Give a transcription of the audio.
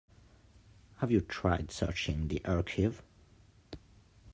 Have you tried searching the archive?